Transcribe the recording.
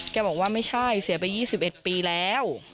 บอกว่าไม่ใช่เสียไป๒๑ปีแล้ว